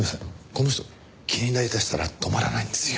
この人気になりだしたら止まらないんですよ。